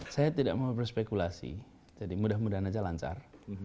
saya tidak mau berspekulasi jadi mudah mudahan aja lancar